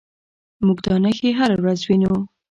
موږ دا نښې هره ورځ وینو.